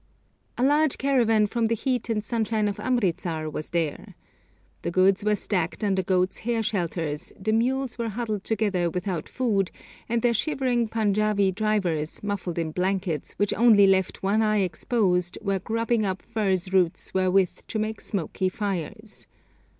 A large caravan from the heat and sunshine of Amritsar was there. The goods were stacked under goat's hair shelters, the mules were huddled together without food, and their shivering Panjābi drivers, muffled in blankets which only left one eye exposed, were grubbing up furze roots wherewith to make smoky fires.